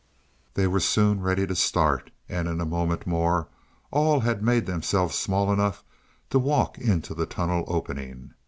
They were soon ready to start, and in a moment more all had made themselves small enough to walk into the tunnel opening.